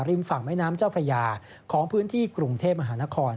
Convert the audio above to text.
ฝั่งแม่น้ำเจ้าพระยาของพื้นที่กรุงเทพมหานคร